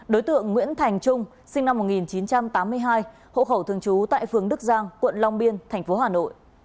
đối tượng nguyễn thành trung sinh năm một nghìn chín trăm tám mươi hai hộ khẩu thường trú tại phường đức giang quận long biên tp hà nội